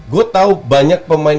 gue tahu banyak pemain